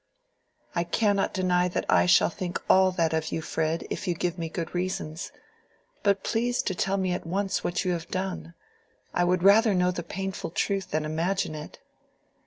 "I cannot deny that I shall think all that of you, Fred, if you give me good reasons. But please to tell me at once what you have done. I would rather know the painful truth than imagine it."